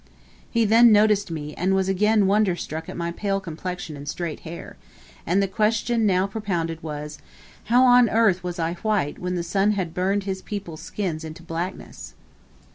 He then noticed me, and was again wonder struck at my pale complexion and straight hair, and the question now propounded was, "How on earth was I white when the sun had burned his people's skins into blackness?"